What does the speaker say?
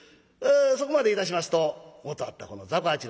そこまでいたしますともとあったこの雑穀八の店